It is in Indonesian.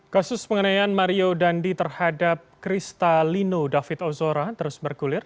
kasus pengenayaan mario dandi terhadap kristalino david ozora terus bergulir